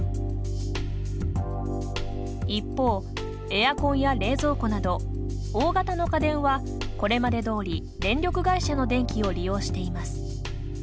一方エアコンや冷蔵庫など大型の家電はこれまでどおり電力会社の電気を利用しています。